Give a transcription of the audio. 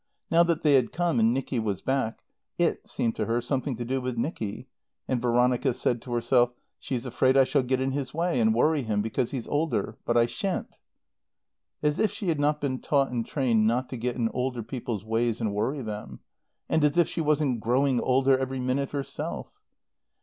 Now that they had come and Nicky was back, "it" seemed to her something to do with Nicky; and Veronica said to herself, "She is afraid I'll get in his way and worry him, because he's older. But I shan't." As if she had not been taught and trained not to get in older people's ways and worry them. And as if she wasn't growing older every minute herself!